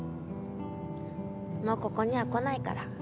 もうここには来ないから。